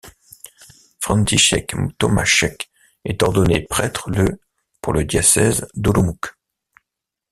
František Tomášek est ordonné prêtre le pour le diocèse d'Olomouc.